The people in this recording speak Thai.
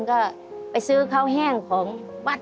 อยุดก่อนครับ